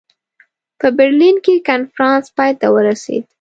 په برلین کې کنفرانس پای ته ورسېد.